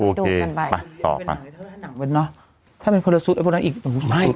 ดูกันไปไปต่อไปถ้าหนังเป็นเนอะถ้าเป็นไอ้พวกนั้นอีกไม่